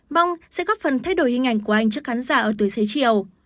mong sẽ góp phần thay đổi hình ảnh của anh trước khán giả ở tuổi xế chiều